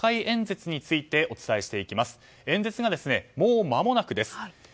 演説が、もう間もなくです。